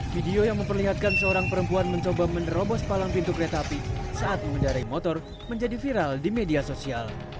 video yang memperlihatkan seorang perempuan mencoba menerobos palang pintu kereta api saat mengendarai motor menjadi viral di media sosial